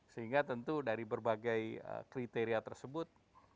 sehingga tentu dari berbagai kriteria tersebut